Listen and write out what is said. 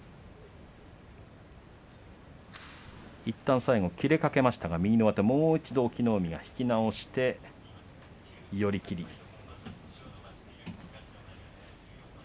いったん最後切れかけましたが右の上手隠岐の海がもう一度引きまして、寄り切り。